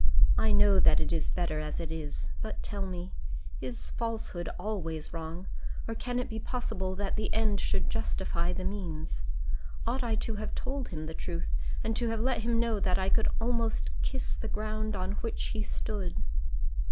I know that it is better as it is; but tell me is a falsehood always wrong, or can it be possible that the end should justify the means? Ought I to have told him the truth, and to have let him know that I could almost kiss the ground on which he stood?"